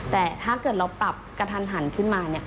แต่ถ้าเกิดเราปรับกระทันหันขึ้นมา